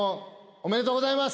ありがとうございます。